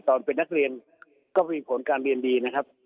ตอนเป็นนักเรียนก็มีผลการเรียนดีนะครับ